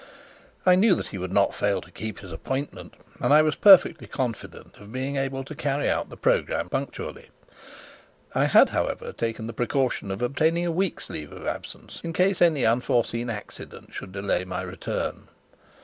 I knew that he would not fail to keep his appointment, and I was perfectly confident of being able to carry out the programme punctually; I had, however, taken the precaution of obtaining a week's leave of absence, in case any unforeseen accident should delay my return.